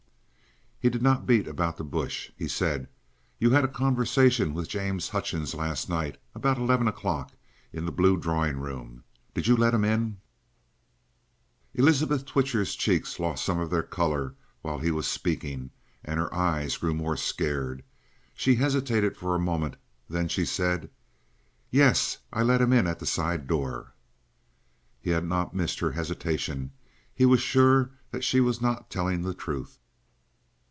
He did not beat about the bush; he said: "You had a conversation with James Hutchings last night, about eleven o'clock, in the blue drawing room. Did you let him in?" Elizabeth Twitcher's cheeks lost some more of their colour while he was speaking, and her eyes grew more scared. She hesitated for a moment; then she said: "Yes. I let him in at the side door." He had not missed her hesitation; he was sure that she was not telling the truth.